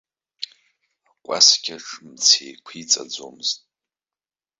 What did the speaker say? Акәаскьаҿ мца еқәиҵаӡомызт.